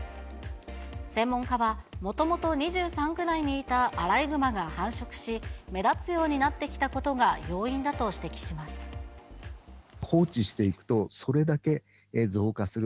専門家は、もともと２３区内にいたアライグマが繁殖し、目立つようになってきたことが要因だと指摘します。